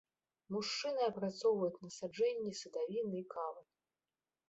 Мужчыны апрацоўваюць насаджэнні садавіны і кавы.